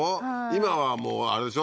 今はもうあれでしょ